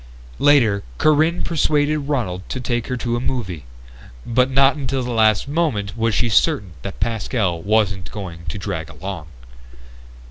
Later, Corinne persuaded Ronald to take her to a movie, but not until the last moment was she certain that Pascal wasn't going to drag along.